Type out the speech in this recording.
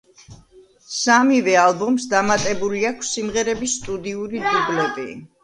სამივე ალბომს დამატებული აქვს სიმღერების სტუდიური დუბლები.